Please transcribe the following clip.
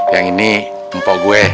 yang ini empok gue